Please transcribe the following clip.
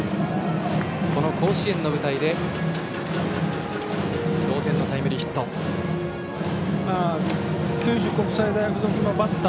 この甲子園の舞台で同点のタイムリーヒット。